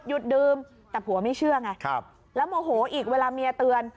ดื่มแต่ผัวไม่เชื่อไงแล้วโมโหอีกเวลาเมียเตือน